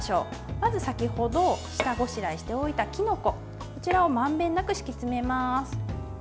まず先ほど下ごしらえしておいたきのこ、こちらをまんべんなく敷き詰めます。